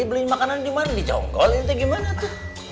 beli makanan di mana di jonggol gimana tuh